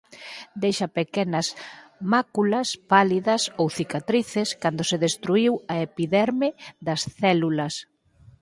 Deixa pequenas máculas pálidas ou cicatrices cando se destruíu a epiderme das células.